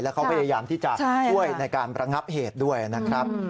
เขาพยายามที่จะช่วยในการประงับเหตุด้วยนะครับ